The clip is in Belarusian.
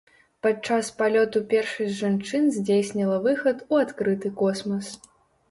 Падчас палёту першай з жанчын здзейсніла выхад у адкрыты космас.